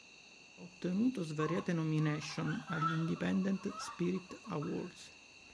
Ha ottenuto svariate nomination agli Independent Spirit Awards.